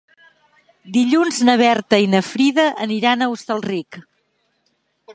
Dilluns na Berta i na Frida aniran a Hostalric.